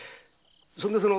そんでその。